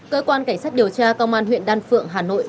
cơ quan cảnh sát điều tra công an huyện đan phượng hà nội